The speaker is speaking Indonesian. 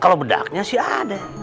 kalau bedaknya sih ada